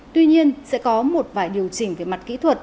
tuy nhiên sẽ có một vài điều chỉnh về mặt kỹ thuật